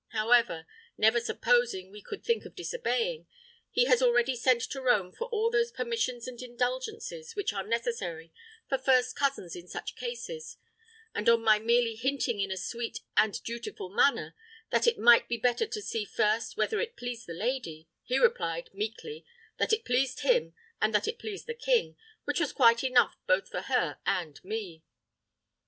However, never supposing we could think of disobeying, he has already sent to Rome for all those permissions and indulgences which are necessary for first cousins in such cases; and on my merely hinting in a sweet and dutiful manner, that it might be better to see first whether it pleased the lady, he replied, meekly, that it pleased him, and that it pleased the king, which was quite enough both for her and me."